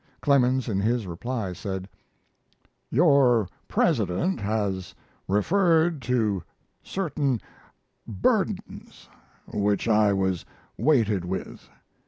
Clemens in his reply said: Your president has referred to certain burdens which I was weighted with.